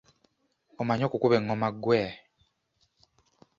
Omanyi okukuba engoma gwe?